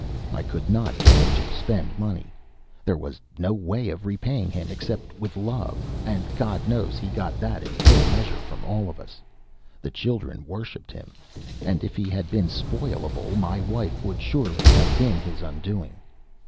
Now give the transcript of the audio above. I could not get him to spend money. There was no way of repaying him except with love, and God knows he got that in full measure from all of us. The children worshipped him; and if he had been spoilable, my wife would surely have been his undoing.